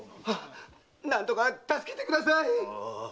何とか助けてください！